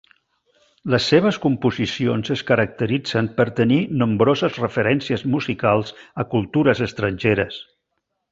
Les seves composicions es caracteritzen per tenir nombroses referències musicals a cultures estrangeres.